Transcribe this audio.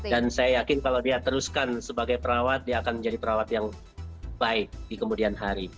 dan saya yakin kalau dia teruskan sebagai perawat dia akan menjadi perawat yang baik di kemudian hari